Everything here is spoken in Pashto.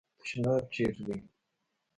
تشناب چیري دی ؟